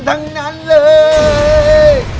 ทงนั้นเลย